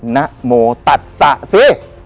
นะโมตัดสะสิ